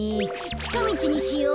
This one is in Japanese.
ちかみちにしよう。